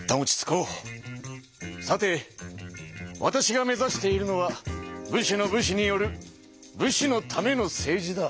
さてわたしが目ざしているのは武士の武士による武士のための政治だ。